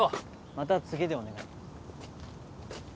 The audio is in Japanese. また次でお願い